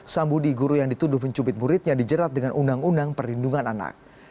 sambudi guru yang dituduh mencubit muridnya dijerat dengan undang undang perlindungan anak